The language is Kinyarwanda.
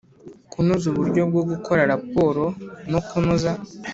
Kunoza uburyo bwo gukora raporo no kunoza